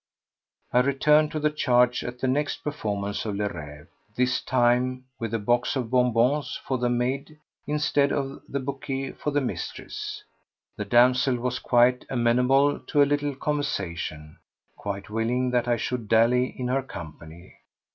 I returned to the charge at the next performance of Le Rêve, this time with a box of bonbons for the maid instead of the bouquet for the mistress. The damsel was quite amenable to a little conversation, quite willing that I should dally in her company.